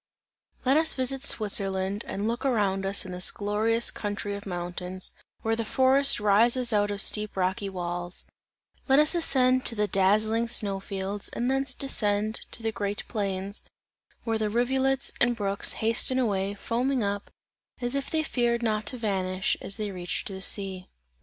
Let us visit Switzerland and look around us in the glorious country of mountains, where the forest rises out of steep rocky walls; let us ascend to the dazzling snow fields, and thence descend to the green plains, where the rivulets and brooks hasten away, foaming up, as if they feared not to vanish, as they reached the sea.